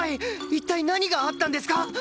一体何があったんですか？